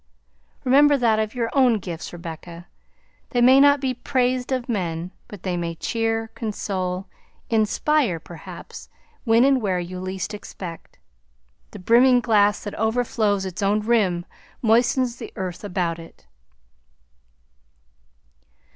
Remember that of your own gifts, Rebecca; they may not be praised of men, but they may cheer, console, inspire, perhaps, when and where you least expect. The brimming glass that overflows its own rim moistens the earth about it."